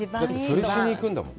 それしに行くんだもん。